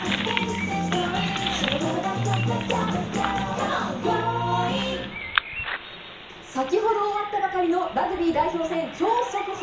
この後先ほど終わったばかりのラグビー代表戦超速報。